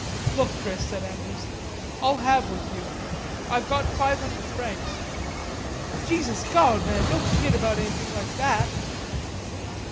"Look, Chris," said Andrews, "I'll halve with you. I've got five hundred francs." "Jesus Gawd, man, don't kid about anything like that."